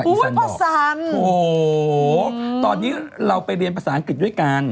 ก็ซ้ำโอ้โหตอนนี้เราไปเรียนภาษาอังกฤษด้วยกัน